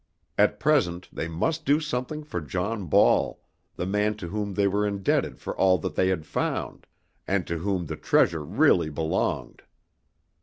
At present they must do something for John Ball, the man to whom they were indebted for all that they had found, and to whom the treasure really belonged.